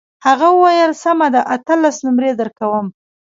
هغه وویل سمه ده اتلس نمرې درکوم.